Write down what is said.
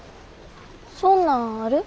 そんなんある？